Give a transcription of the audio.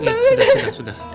udah udah udah